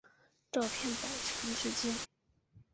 照片保存至今。